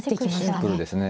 シンプルですね。